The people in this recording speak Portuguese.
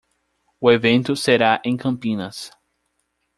O evento será em Campinas.